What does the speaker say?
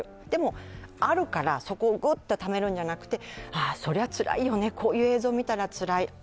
でも、あるから、そこをグッとためるのではなくてそりゃつらいよね、こういう映像を見たらつらい。